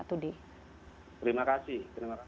today terima kasih